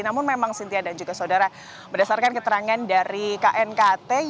namun memang cynthia dan juga saudara berdasarkan keterangan dari knkt